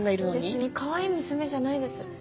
別にかわいい娘じゃないです。